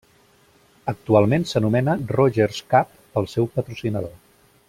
Actualment s'anomena Rogers Cup pel seu patrocinador.